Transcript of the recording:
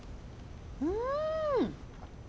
うん！